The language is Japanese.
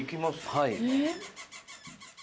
はい。